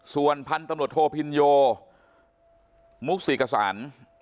ส่วนพันธุ์ตำรวจโทพินโยมุกศิกษัน